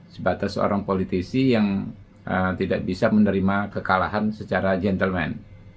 sebatas seorang politisi yang tidak bisa menerima kekalahan secara gentleman